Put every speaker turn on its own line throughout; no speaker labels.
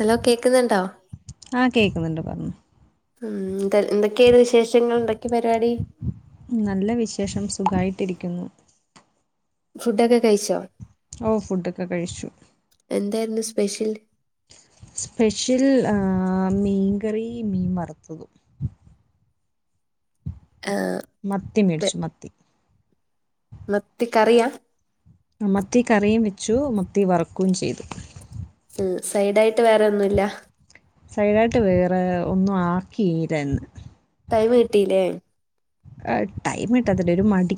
Hello കേക്കുന്നുണ്ടോ?
ആഹ്. കേക്കുന്നുണ്ട്. പറഞൊ.
മ്മ്ഹ്. ന്തെ എന്തൊക്കെണ് വിശേഷങ്ങൾ? എന്തൊക്കെ പരിപാടി?
നല്ല വിശേഷം സുഖായിട്ടിരിക്കുന്നു.
ഫുഡൊക്കെ കഴിച്ചോ?
ഓഹ്. ഫുഡൊക്കെ കഴിച്ചു.
എന്തായ്ര്ന്നു സ്പെഷ്യൽ?
സ്പെഷ്യൽ ആഹ് മീൻകറി, മീൻ വറുത്തതും.
ആഹ്.
മത്തി മേടിച്ചു. മത്തി.
മത്തി കറിയാ?
മത്തി കറിയും വെച്ചു മത്തി വറുക്കും ചെയ്ത്.
മ്മ്ഹ്. സൈഡായിട്ട് വേറെയൊന്നുല്ല?
സൈഡായിട്ട് വേറെ ഒന്നും ആക്കിയില്ലായിന്ന്.
ടൈമ് കിട്ടീലേ?
ആ ത് ടൈമ് കിട്ടാത്തല്ല ഒരു മടി.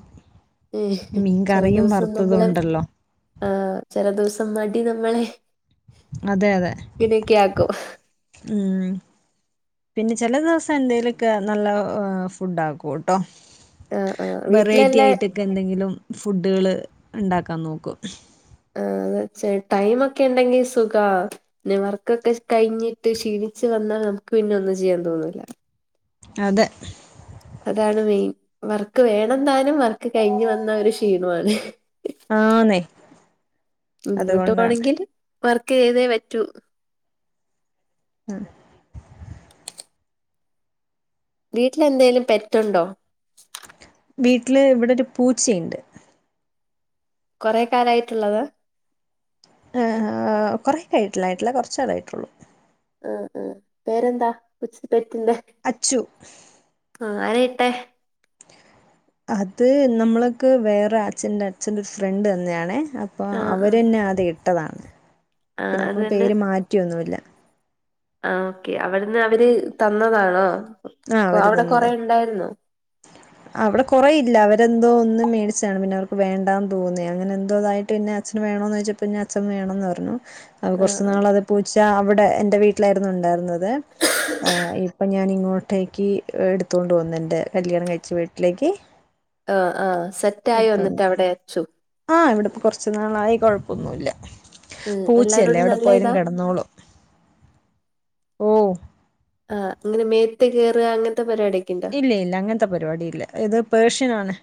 ഉം
മീൻ
ചില
കറിയും
ദിവസം
വറുത്തതു
നമ്മള്
ണ്ടല്ലോ.
ആഹ്. ചെല ദിവസം മടി നമ്മളെ
അതെയതെ.
ഇങ്ങനെയൊക്കെ ആക്കും
മ്ഹ്. പിന്നെ ചെല ദിവസം എന്തെലൊക്കെ നല്ല ഫുഡ് ആക്കൂട്ടോ.
ആഹ് ആഹ്
വെറൈറ്റി
വീട്ടിലെല്ലാ
ആയിട്ടൊക്കെന്തെങ്കിലും ഫുഡുകള് ഉണ്ടാക്കാൻ നോക്കും.
ആഹ് അതെ. ചെ ട്ടയ്മൊക്കെ ഇണ്ടെങ്കി സുഖാ നി വർക്കൊക്കെ കഴിഞ്ഞിട്ട് ഷീണിച്ച് വന്നാ നമുക്ക് പിന്നെ ഒന്നും ചെയ്യാൻ തോന്നൂല.
അതെ.
അതാണ് മെയിൻ. വർക്ക് വേണന്താനും വർക്ക് കഴിഞ്ഞു വന്ന ഒരു ക്ഷീണോ ആണ്.
ആന്നേ
മുന്നോട്ടുപോണെങ്കിൽ വർക്ക് ചെയ്തേ വറ്റൂ
ആം
വീട്ടിലെന്തേലും പെറ്റൊണ്ടോ
വീട്ടില് ഇവിടെയൊരു പൂച്ചയൊണ്ട്
കൊറെ കാലായിട്ടൊള്ളതാ
ആ ഹാ കൊറെ കായിട്ടുളയിട്ടില്ല കൊർച്ചാലായിട്ടൊള്ളൂ
ആആ പേരെന്താ കൊച്ചു പെറ്റിൻറ്റെ
അച്ചു
ആ ആരായിട്ടെ
അത് നമ്മള്ക്ക് വേറെ അച്ഛന്റെ അച്ഛന്റെ ഒരു ഫ്രണ്ട് തന്നെയാണേ അപ് അപ്പൊ
ആ ആ
അവരന്നെ ആദ്യം ഇട്ടതാണ്
ആ
പിന്നെ
അത്
നമ്മള്
തന്നെ
പേര് മാറ്റിയൊന്നുല്ലാ
ആ ഓക്കെ അവിടന്ന് അവര് തന്നതാണോ
ആ
കൊ- അവിടെ കൊറെ
അവരുതന്നയാ
ഉണ്ടായിരുന്നോ
അവിടെ കൊറേയില്ല അവരെന്തോ ഒന്നു മേടിച്ചതാണ് പിന്നെ അവർക്കു വേണ്ടാന്നുതോന്നി അങ്ങനെ എന്തോതായിട്ട് പിന്നെ അച്ഛന് വേണോന്ന് ചോദിച്ചപ്പോ പിന്നെ അച്ഛൻ വേണോന്ന് പറഞ്ഞു അപ്പോ
ആ
കൊറച്ച്
ആ
നാളത് പൂച്ച അവിടെ എന്റെ വീട്ടിലായിരുന്നു ഒണ്ടായിരുന്നത് ഇപ്പൊ ഞാനിങ്ങോട്ട് ട്ടേക്ക് എടുത്തോണ്ടുവന്നു എന്റെ കല്യാണം കഴിച്ച വീട്ടിലേയ്ക്ക്
ആ ആ സെറ്റായോ എന്നിട്ടവിടെ അച്ചു
ആ ഇവിടപ്പോ കൊറച്ചുനാളായി കൊഴപ്പൊന്നുല്ലാ
ഉം
പൂച്ചയല്ലേ
എല്ലാരോടും നല്ല
എവിടെപോയാലും
ഇതാ
കെടന്നോളും ഓ
ആ ഇങ്ങനെ മേത്തുകേറുക അങ്ങനത്തെ പരിപാടി
ഇല്ല ഇല്ല അങ്ങനത്തെ പരിപാടി ഇല്ല ഇതുപേർഷ്യനാണ്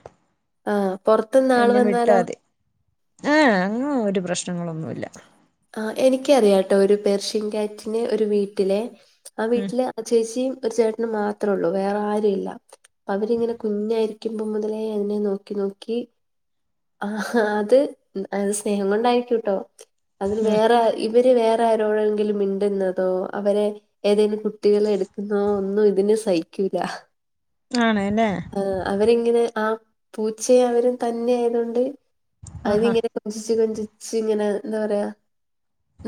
ആ പൊറത്തിന്ന് ആളുവന്നാലോ
ആ അങ്ങനെ ഒരു പ്രശ്നങ്ങളൊന്നുല്ലാ
ആ എനിക്കറിയാട്ടോ ഒരു പേർഷ്യൻ ക്യാറ്റിനെ ഒരുവീട്ടിലെ ആ
ഉം
വീട്ടില് ആ ചേച്ചിയും ഒരു ചേട്ടനും മാത്രേള്ളൂ വേറെ ആരും ഇല്ല അപ്പൊ അവരിങ്ങനെ കുഞ്ഞായിരിക്കുമ്പോ മുതലേ അതിനെ നോക്കി നോക്കി ആ അത് അതുസ്നേഹം കൊണ്ടായിരിക്കുട്ടോ അതിന്
ഉം
വേറെയാര് ഇവരു വേറെ ആരോടെങ്കിലും മിണ്ടുന്നതോ അവരെ ഏതേലും കുട്ടികളെ എടുക്കുന്നോ ഒന്നും ഇതിന് സഹിക്കൂല
ആണ്‌ ല്ലേ
ആ അവരിങ്ങനെ ആ പൂച്ചയും അവരും തന്നെയായതൊണ്ട്
ആഹാ
അതിനിങ്ങനെ കൊഞ്ചിച്ച് കൊഞ്ചിച്ച് ഇങ്ങനെ എന്താപറയാ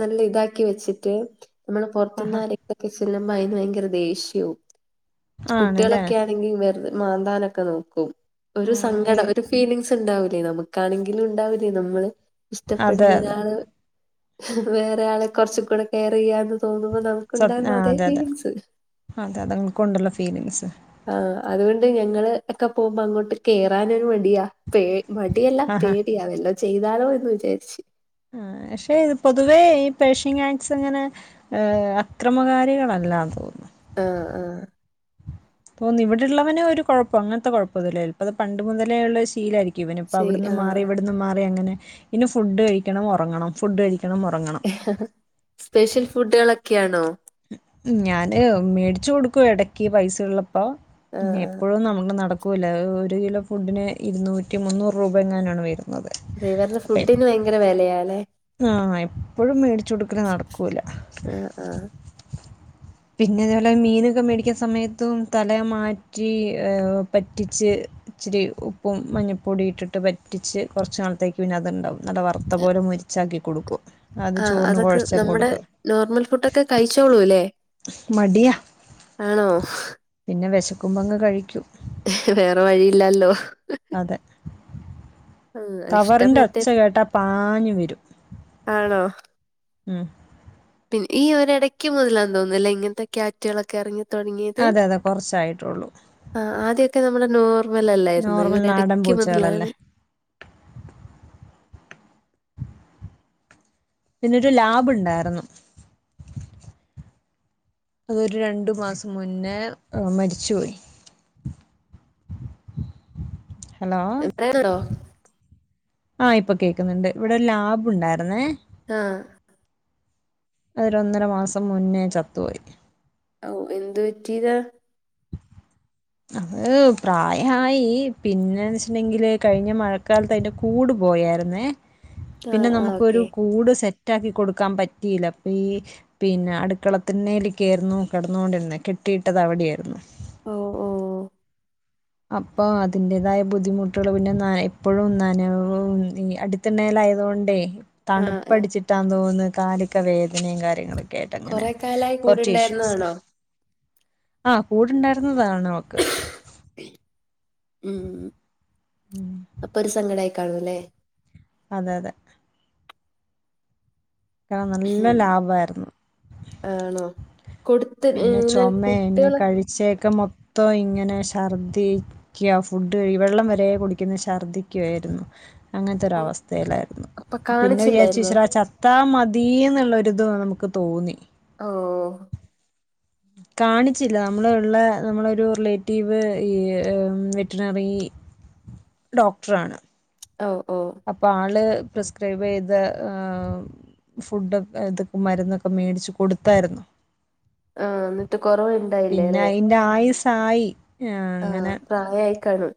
നല്ല ഇതാക്കി വെച്ചിട്ട് നമ്മള് പൊറത്തുന്ന്
ആഹാ
ആരെങ്കിലൊക്കെ ചെല്ലുമ്പ അയിന് ഭയങ്കര ദേഷ്യാവും
ആണല്ലേ
കുട്ടികളൊക്കെയാണ് ണെങ്കി വെറുതെ മാന്താനൊക്കെ നോക്കും
ആ ഈ
ഒരുസങ്കടം ഒരു ഫ് ഫീലിംഗ്സ് ഇണ്ടാവൂലേ നമുക്കാണെങ്കിലും ഇണ്ടാവൂലേ നമ്മള്
അതെ
ഇഷ്ടപ്പെടുന്ന
അതെ
ഒരാള് വേറെ ആളെ കൊറച്ചും കൂടെ കെയർ ചെയ്യാന്ന് തോന്നുമ്പോ നമുക്ക്
സ്വപ്ന ആ അതെ അതെ അതെ അതുങ്ങക്കും ഉണ്ടല്ലോ ഫീലിംഗ്സ്
ആ അതുകൊണ്ട് ഞങ്ങള് ഒക്കെ പോകുമ്പോ അങ്ങോട്ട് കേറാനൊരു മടിയാ പേ മടിയല്ല
ആഹാ
പേടിയാ വല്ലോം ചെയ്താലോ എന്നുവിചാരിച്ചു
ആ പക്ഷെ പൊതുവേ ഈ പേർഷ്യൻ ക്യാറ്റ്സ് അങ്ങനെ ഏ അക്രമകാരികളല്ലാന്ന് തോന്നുന്നു
ആ ആ
ഇപ്പൊന്ന് ഇവിടൊള്ളവന് ഒരു കുഴപ്പോ അങ്ങനത്തെ കൊഴപ്പൊന്നുല്ലാ ചെൽപ്പത് പണ്ടുമുതലേയുള്ള ശീലമായിരിക്കും ഇവനിപ്പം
ശരി
അവിടുന്നുമാറി
ആഹ്
ഇവിടന്നും മാറി അങ്ങനെ ഇതിന് ഫുഡ് കഴിക്കണം ഒറങ്ങണം ഫുഡ് കഴിക്കണം ഒറങ്ങണം
ഹ് ഹ ഹ സ്പെഷ്യൽ ഫുഡുകളൊക്കെയാണോ
ഞാന് മേടിച്ചുകൊടുക്കും എടക്ക് പൈസയുള്ളപ്പോ
ആഹ്
പിന്നെ
ആഹ്
എപ്പോഴൊന്നും നമ്മുക്ക് നടക്കൂല ഒരുകിലോ ഫുഡിന് ഇരുന്നൂറ്റി മുന്നൂറുരൂപ എങ്ങാനാണ് വരുന്നത്
ട്രൈവർന് ഫുഡിന് വയങ്കര വെലയാലേ
ആഹ് എപ്പഴും മേടിച്ചൊട്ക്കല് നടക്കൂല
ആഹ് [inaudible]
പിന്നെ തേപോലെ മീനൊക്കെ മേടിക്യുന്ന സമയത്തും തല മാറ്റി പറ്റിച്ച് ഇച്ചിരി ഉപ്പും മഞ്ഞപ്പൊടി ഇട്ടിട്ട് പറ്റിച്ച് കൊർച്ച് നാളത്തേ പിന്നെ അതുണ്ടാവും നല്ല വറ്ത്ത പോലെ മൊരിച്ചാക്കി കൊടുക്കും അത്
ആഹ്
ചോറിന്
അതൊക്കെ
കുഴച്ച്
നമ്മ്ടെ
കൊടുക്കും
നോർമൽ ഫുഡൊക്കെ കഴിച്ചോളൂല്ലേ
മടിയാ
ആണോ ഹ്
പിന്നെ വെശക്കുമ്പങ്ങ് കഴിക്യും
വേറെ വഴിയില്ലാല്ലോ
അതെ
ആഹ് ഇഷ്ടം മറ്റേ
കബറിൻ്റെഒച്ചകേട്ടാപാഞ്ഞ് വരും
ആണോ
ഉം
പിന്നെ ഈ ഒരടയ്ക്ക് മുതലാന്ന് തോന്ന്ന്നല്ലേഇങ്ങൻത്തേ ക്യാൻ്റെളൊക്കെ ഇറിങ്ങി
അതെ അതെ കൊറഷായിട്ടൊള്ളൂ
ആഹ് ആദ്യൊക്കെ നമ്മള നോർമൽ അല്ലായിരുന്നു ഈ
നോർമൽ നാടൻ
ഇടക്ക്
പൂച്ചകളല്ലേ
മുതലാണ്
എന്നിട്ട്ലാബ്ണ്ടാരന്നു അതൊര് രണ്ട് മാസം മുന്നേ അ് മരിച്ചുപോയി
അം
ഹലോ ആഹ് ഇപ്പ കേക്ക്ന്ന്ണ്ട് ഇവിടെ ലാബുണ്ടാര്ന്നേ
ആഹ്
അതൊരന്നര മാസം മുന്നേ ചത്തോയി
ഔഎന്ത് പറ്റ്യോതാ [inaudible]
അത് പ്രായായി പിന്നെന്തച്ട്ട്ണ്ടങ്കില് കഴിഞ്ഞ മഴ കാലത്ത് അയ്ൻ്റെ കൂട് പോയാര്ന്നേ
ആഹ്
പിന്നെ
ആഹ് ഓക്കെ
നമുക്കൊരു കൂട് സെ റ്റാക്കി കൊട്ക്കാമ്പറ്റിലപ്പഈ പിന്നെ അടുക്കളത്തിന്റെല്ക്കേറ്ന്നു കടന്നോണ്ടിര്ന്നെ കെട്ടിയിട്ടതവ്ടെ ര്ന്നു
ഓഹോ
അപ്പൊ അതിൻ്റേതായ ബുദ്ധിമുട്ട്ള് പിന്നെന്നായ് എപ്പഴും നനവും ഈ അ ത്തിണ്ണലാതുകൊണ്ടേ
ആഹ് ആഹ്
തണുപ്പടിച്ചിട്ടാ ന്ന് തോന്ന്ന്നത് കാല്ക്ക വേദനേം കാര്യങ്ങൾ ക്കെറ്റഅങ്ങനെ
കൊറെ കാലായി കൂടെ
കൊർച്ച് ഇഷ്യൂസ്
ഉണ്ടായിരുന്നതാണോ
ആഹ് കൂടണ്ടാര്ന്നതാണ് ഒൾക്ക്
ഉം അപ്പൊരു സങ്കടായികാണുല്ലേ
അതെ അതെ കാം നല്ല
ഉം
ലാഭര്ന്നു
ആണോ കൊടുത്ത്നെ ന്നെ കുട്യേള്
ചേക്ക മൊത്തഇങ്ങനെ ഷർദി ക്യ ഫുഡ് വെള്ളം വരെ കുടിക്യന്ന ഷർദ്ദിക്യുയാര്ന്നു അങ്ങൻത്തൊര
ഓ,
അവസ്ഥേലാര്ന്നു
അപ്പൊ
പിന്നെ വിയാർച്ചു
കാണിച്ചില്ലായിരുന്നോ
ശ്ര ച ത്താ മതീന്ന്ള്ളൊരുത് നമുക്ക് തോന്നി
ഓഹോ
കാണിച്ചില്ല നമ്മള് ള്ള നമ്മളൊരു റിലേറ്റീവ് ഈ വെറ്റിനറീ
[inaudible]
ഡോക്ട്രാണ്
ഓ ഓ
അപ്പൊ ആള് പ്രിസ്ക്രൈബീത് ഫുഡൊക് ഏത് മരുന്നൊക്കെ മേടിച്ച് കൊട്ത്താര്ന്നു
ആഹ് ഇന്നട്ട് കൊറവ് ഇണ്ടായില്ലലെ
രായിസായി
ആഹ് പ്രായ ആയി കാണും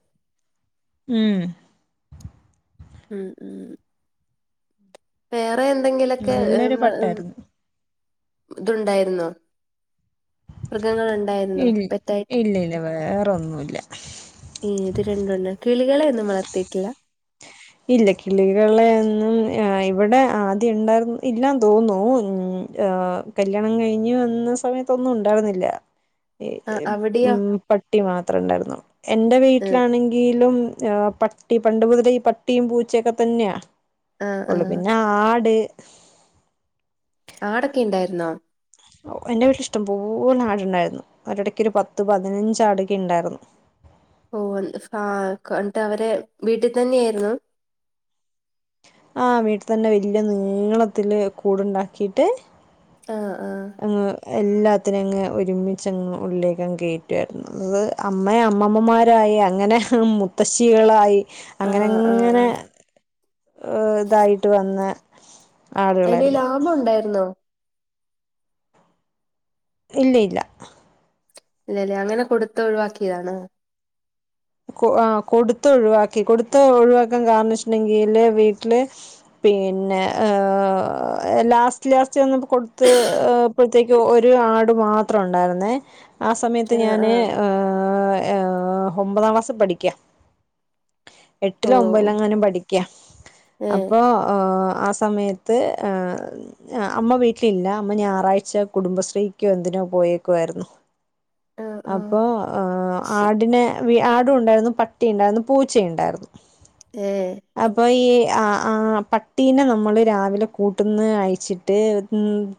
ഉം
ഉം ഉം വേറെ എന്തെങ്കിലൊക്കെ
നല്ലൊരു പട്ടായിരുന്നു
ഇത്ണ്ടായിരുന്നോ
ഇ
പെറ്റായിട്ട്
ഇല്ല ഇല്ല വേറെൊന്നുല്ല
ഏത് രണ്ടെണം കിളികളെ ഒന്നും വളർത്തിയിട്ടില്ല
ഇല്ല. കിളികളെ ഒന്നും ഇവിടെ ആദ്യം ഉണ്ടായിരുന്നു ഇല്ലാന്ന് തോന്നു ഉം ആഹ് കല്യാണം കഴിഞ്ഞു വന്ന സമയത്തൊന്നും ഉണ്ടാവുന്നില്ല
ആ അവിടെയോ
ഉം പട്ടി മാത്രം ഇണ്ടായിരുന്നു. എന്റെ
ഉം,
വീട്ടിലാണെങ്കിലും ആ പട്ടി പണ്ട് മുതലേ ഈ പട്ടിയും പൂച്ചയൊക്കെ തന്ന്യെ
ആ ആ
ഒള്ളു പിന്നെ ആട്
ആടൊക്കെ ഇണ്ടായിരുന്നോ
ഓ എൻ്റെ വീട്ടിലിഷ്ടം പോലെ ആടുണ്ടായിരുന്നു. ഒരിടയ്ക്കൊരു പത്ത് പതിനഞ്ച് ആടൊക്കെ ഉണ്ടായിരുന്നു.
[unintelligible] കട്ട് അവരെ വീട്ടിൽ തന്നെയായിരുന്നു
ആ വീട്ടിൽ തന്നെ വല്ല്യ നീളത്തിൽ കൂടുണ്ടാക്കിയിട്ട്
ആഹ് ആഹ്
അങ്ങ് എല്ലാത്തിനും അങ്ങ് ഒരുമിച്ചങ്ങ് ഉള്ളിലേക്കങ് കേറ്റ്വോയിരുന്നു അത് അമ്മ അമ്മമ്മമാരായി അങ്ങനെ മുത്തശ്ശികളായി
ആ ആ
അങ്ങനെങ്ങനെ ഇതായിട്ട് വന്ന്
അയില് ലാഭം ഉണ്ടായിരുന്നോ
ഇല്ല ഇല്ല
ഇല്ലല്ല അങ്ങനെ കൊടുത്ത് ഒഴിവാക്കിയാണ്.
ആഹ് കൊടുത്ത് ഒഴിവാക്കി കൊടുത്ത് ഒഴിവാക്കാൻ കാര്ണം ചോദിച്ചിട്ണ്ടെങ്കില് വീട്ടില് പിന്നെ ലാസ് റ്റം ലാസ്റ്റ് വന്നപ്പൊ കൊട്ത്ത് ഇപ്പെത്തേക്കു ഒരു ആട് മാത്രം ഉണ്ടായിരുന്നേ ആ സമയത്ത്
ആഹ്
ഞാന്
ആഹ്
ഏഹ് ഏഹ് ഒമ്പതാം ക്ലാസ്സിൽ പഠിക്കാ
ഓ
എട്ടിലോ ഒമ്പലോ അങ്ങാനും പഠിക്ക
ഏഹ്
അപ്പൊ ആഹ് സ സമയത്ത് ഏഹ് അമ്മ വീട്ടിലില്ല. അമ്മ ഞായറാഴ്ച കുടുംബശ്രീക്കോ എന്തിനോ പോയേക്കുവായിരുന്നു
ഏഹ് ആഹ്
അപ്പോ ആടിനെ ആടു ഉണ്ടായിരുന്നു. പട്ടി ഉണ്ടായിരുന്നു. പൂച്ചയുണ്ടായിരുന്നു.
ഏഹ്
അപ്പൊ ഈ ആ ആ പ പട്ടീനെ നമ്മൾ രാവിലെ കൂട്ട്ന്ന് അയച്ചിട്ട്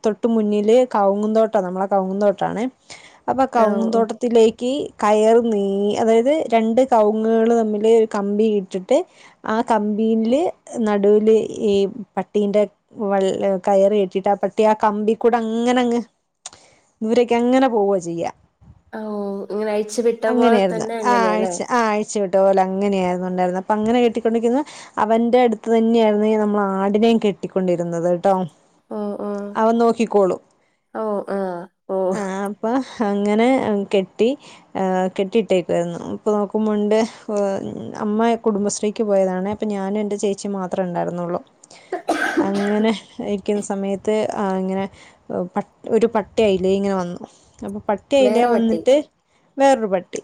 തൊട്ട് മുന്നില് കൗങ്ങുന്തോട്ടം നമ്മളെ കൗങ്ങുന്തോട്ടാണ് അപ്പൊ
ഓ
കൗങ്ങുന്തോട്ട
ഓ
ത്തിലേക്ക് കയർ നീങ്ങി അതായത് രണ്ട് കവുങ്ങുകൾ തമ്മിൽ ഒരു കമ്പി ഇട്ടിട്ട് ആ കമ്പീല് നടൂല് ഈ പട്ടീൻ്റെ വള് കയറി കെട്ടിട്ട് പട്ടിയെ ആ കമ്പികൂട് അങ്ങനങ്ങ് ദൂരേക്ക് അങ്ങനെ പോവാ ചെയ്യാ
ഓ ഇങ്ങനെ അയച്ചു വി
അങ്ങനെയായിരുന്ന്. ആ അഴച ആഹ് അഴ്ച് വിട്ട പോലെ അങ്ങനെയായിരുന്ന് ഉണ്ടായിരുന്ന അപ്പൊ അങ്ങനെ കെട്ടിക്കൊണ്ടിരിക്കുന്നു അവന്റെ അടുത്ത് തന്നെയായിരുന്നു നമ്മൾ ആടിനെയും കെട്ടിക്കൊണ്ടിരുന്നത് ട്ടോ
ഓ ഓ
അവൻ നോക്കിക്കോളും
ഓ ആഹ് ഓ
ആഹ് അപ്പൊ ആഹ് ഇങ്ങനെ കെട്ടി കെട്ടിയിട്ടേക്ക്വാരുന്നു. ഇപ്പോ നോക്കുമ്പോണ്ട്. അമ്മ കുടുംബശ്രീക്ക് പോയതാണ്. ഇപ്പ ഞാനും എന്റെ ചേചി മാത്ര ഉണ്ടായിരൊന്നുള്ളൂ അങ്ങനെ നിക്കുന്ന സമയത്ത് അങ്ങനെ ഒരു പട്ടി അയില്ലേ ഇങ്ങനെ വന്നു അപ്പോ പട്ടി അയിലേ
വേറെ പട്ടി
വന്നിട്ട് വേറൊരു പട്ടി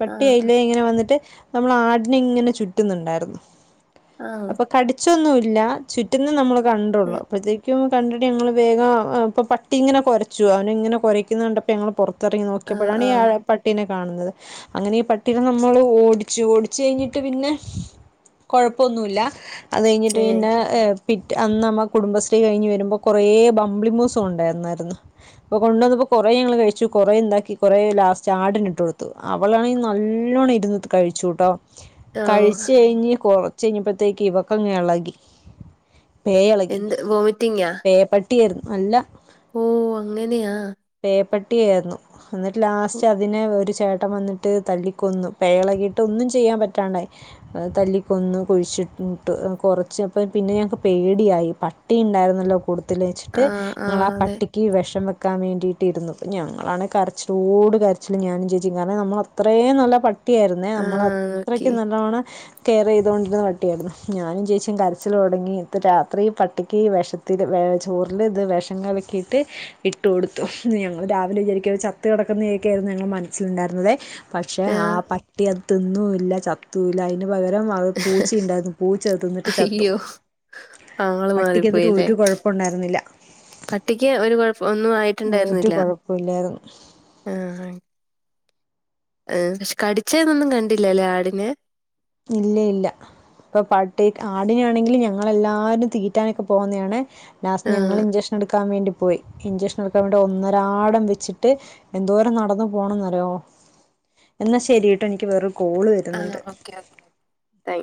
പട്ടി
ആഹ്
അയിലേ ഇങ്ങനെ വന്നിട്ട് നമ്മളെ ആടിനെ ഇങ്ങനെ ചുറ്റുന്നുണ്ടായിരുന്നു
ആഹ്
കടിച്ചൊന്നുല്ല ചുറ്റുന്നെ നമ്മള് കണ്ടൊള്ളു
ആഹ്
അപ്പോത്തി ക്കും കണ്ടിട്ട് ഞങ്ങൾ വേഗം അ അപ്പൊ പട്ടി ങ്ങനെ കൊരച്ചു അവനിങ്ങനെ കൊരയ്ക്കുന്നെ കണ്ടപ്പോൾ ഞങ്ങള് പൊറ
ആഹ്
ത്തെർങ്ങ്യോക്ക്യപ്പളാണ്
ആഹ്
[unintelligible] പട്ടിനെ കാണുന്നത് അങ്ങനെ ഈ പട്ടിനെ നമ്മള് ഓടിച്ചു ഓടിച്ചഴിഞ്ഞിട്ട് പിന്നെ കൊഴപ്പൊന്നുല്ല അത് കഴിഞ്ഞിട്ട്
ഏഹ്
പിന്നെ ഏഹ് പിറ്റ് അന്നമ്മ കുടുംബശ്രീ കഴിഞ്ഞ് വെരുമ്പോ കൊറേ ബംമ്പിളി മൂസൊണ്ടായിരുന്നതിന് അപ്പ കൊണ്ടന്നപ്പോ കെറേ ഞങ്ങള് കഴി ച്ചു കൊറേ ണ്ടാക്കി ക്കെറേ ലാസ്റ്റ് ആടിനിട്ട് കൊടുത്തു അവളാണെങ്കി നല്ലോണ്ണം ഇരുന്ന്ട്ട് കഴിച്ചുട്ടോ
ഓ
കഴിച്ചയിഞ്ഞ് കൊറച്ച് കയ്ഞ്ഞപ്പഴത്തേക്ക് ഇവക്കങ്ങെളെകി പേ എളകി
എന്ത് വോമിറ്റിംഗാ
പേ പട്ടിയേര്ന്നു അല്ല
ഓഹ് അങ്ങനെയാ
പേപ്പട്ടിയാന്നു ന്നട്ട് ലാസ്റ്റ് അതിനെ ഒരു ചേട്ടവന്ന്ട്ട് തല്ലിക്കൊന്നു പേയെളെകീട്ടൊന്നും ചെയ്യാൻ പറ്റാണ്ടായി. ഏഹ് തല്ലിക്കൊന്ന് കുഴിച്ചിട്ടു കൊറച്ചപ്പം പിന്നെ ഞങ്ങക്ക് പേടിയായി പട്ടിയിണ്ടായിരന്നല്ല കൊട്ത്തില് വെച്ചിട്ട്
ആഹ്
ഞങ്ങളാ
ആഹ്
ആ
അതെ
പട്ടിക്ക് വെഷം വെക്കാൻ വേണ്ടിട്ടിരുന്നു. ഞങ്ങളാണേ കരച്ചിലോട് കരച്ചിലിം ഞാനും ചേച്ചിം കാരണം നമ്മളത്രയും നല്ല പ പട്ടിയായിര്ന്നേ
ആഹ് ഓക്കെ
നമ്മളത്രക്കും നല്ലോണം കെയറെയ്തോണ്ടിര്ന്ന പട്ടിയായിര്ന്നു ഞാനും ചേച്ചിം കരച്ചിലൊടങ്ങി ഇപ്പോരാത്രി പട്ടിക്ക് വെഷ ത്തില് ചോറില്ത് വെഷം കലക്കീട്ട് ഇട്ട് കൊടുത്തു ഇന്ന് ഞങ്ങ അത് രാവിലെ വിചാരിക്കാത് ചത്ത് കെടക്കുന്നയെക്കെയായിര്ന്നു ഞങ്ങളെ മനസ്സിൽണ്ടായിര്ന്നത് പക്ഷേ ആ
ആഹ്
പട്ടി അ തിന്നൂല്ല ചത്തൂല്ല അയിന് പകരം അവ പൂച്ചണ്ടായിരുന്നു പൂച്ച ത് തിന്നിട്ട് ചത്തു.
അയ്യോ ആള് മാറിപ്പോയില്ലേ
പട്ടിക്കെന്നിട്ടൊരു കൊഴപ്പൂണ്ടായിരുന്നില്ല.
പട്ടിക്ക് ഒരു കൊഴപ്പ ഒന്നും ആയിട്ടുണ്ടായിരു
രു കൊഴപ്പില്ലായിര്ന്നു
ആഹ് ആഹ് ഏഹ് ശെ കടിച്ചന്നൊന്നും കണ്ടില്ലല്ലേ ആടിനെ
ഇല്ലയില്ല ഇപ്പൊ പട്ടി ആടിനാണെങ്കിലു ഞങ്ങളല്ലാരും തീറ്റാനൊക്കെ പോവുന്നാണേ. ലാസ്റ്റ്
ആഹ്
ഞങ്ങള് ഇഞ്ചഷൻ എട്ക്കാൻ വേണ്ടി പോയി ഇഞ്ചഷൻടുക്കാൻ വേണ്ടി ഒന്നരാടം വെച്ചിട്ട് എന്തോരം നടന്ന് പോണന്നറിയോ എന്നാ ശരിട്ടോ എനിക്ക് വേറൊരു കോള് വെര്
ആഹ് ഓക്കേ ഓക്കേ ബൈ